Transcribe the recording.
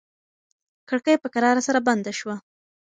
کړکۍ په کراره سره بنده شوه.